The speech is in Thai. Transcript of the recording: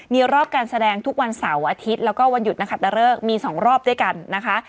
มีรอบการแสดงทุกวันเสาร์อาทิตย์แล้วก็วันหยุดนะคะตะเริกมี๒รอบด้วยกันนะคะ